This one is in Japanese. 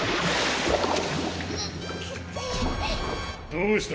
どうした？